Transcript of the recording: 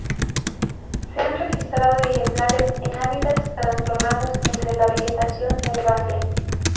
Se han registrado ejemplares en hábitats transformados, entre la vegetación herbácea.